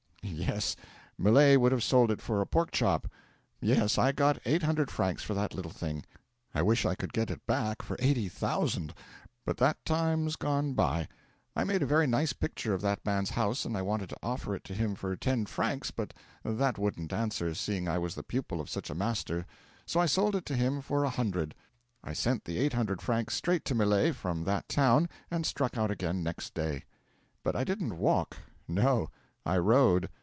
'Yes. Millet would have sold it for a pork chop. Yes, I got eight hundred francs for that little thing. I wish I could get it back for eighty thousand. But that time's gone by. I made a very nice picture of that man's house and I wanted to offer it to him for ten francs, but that wouldn't answer, seeing I was the pupil of such a master, so I sold it to him for a hundred. I sent the eight hundred francs straight to Millet from that town and struck out again next day. 'But I didn't walk no. I rode.